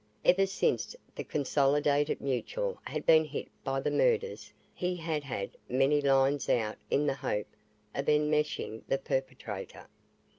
Ever since the Consolidated Mutual had been hit by the murders, he had had many lines out in the hope of enmeshing the perpetrator.